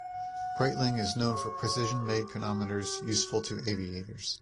Breitling is known for precision-made chronometers useful to aviators.